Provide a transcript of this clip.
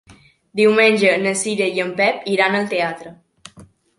Diumenge na Cira i en Pep iran al teatre.